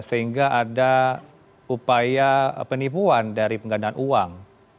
sehingga ada upaya penipuan dari penggandaan uang